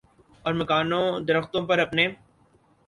اور مکانوں درختوں پر اپنے